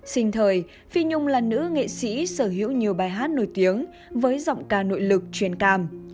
sinh thời phi nhung là nữ nghệ sĩ sở hữu nhiều bài hát nổi tiếng với giọng ca nội lực truyền cảm